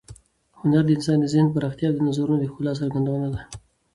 هنر د انسان د ذهن پراختیا او د نظرونو د ښکلا څرګندونه ده.